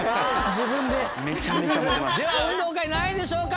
では運動会何位でしょうか？